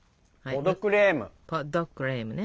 ポ・ド・クレームね。